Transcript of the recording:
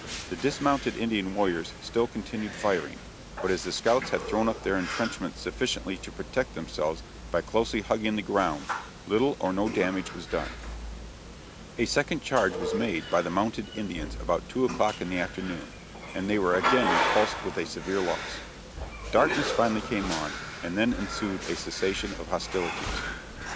The dismounted Indian warriors still continued firing, but as the scouts had thrown up their intrenchments sufficiently to protect themselves by closely hugging the ground, little or no damage was done. A second charge was made by the mounted Indians about two o'clock in the afternoon, and they were again repulsed with a severe loss. Darkness finally came on, and then ensued a cessation of hostilities.